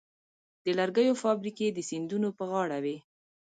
د لرګیو فابریکې د سیندونو په غاړه وې.